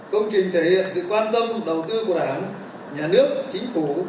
công trình thể hiện sự quan tâm đầu tư của đảng nhà nước chính phủ